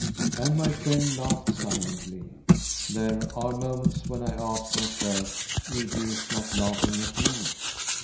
And my friend laughed silently. There are moments when I ask myself if he is not laughing at me.